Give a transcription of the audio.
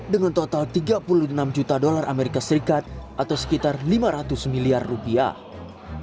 dengan total tiga puluh enam juta dolar amerika serikat atau sekitar lima ratus miliar rupiah